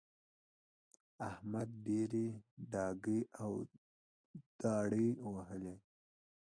احمد ډېرې ډاکې او داړې ووهلې.